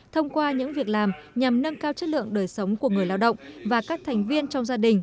thông qua những việc làm nhằm nâng cao chất lượng đời sống của người lao động và các thành viên trong gia đình